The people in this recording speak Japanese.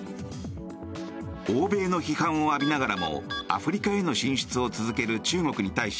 欧米の批判を浴びながらもアフリカへの進出を続ける中国に対し